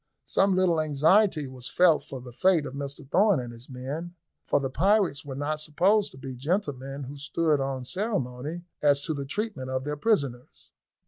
Some little anxiety was felt for the fate of Mr Thorn and his men, for the pirates were not supposed to be gentlemen who stood on ceremony as to the treatment of their prisoners.